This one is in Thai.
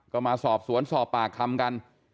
ก็มาสอบสวนสอบปากคำกัน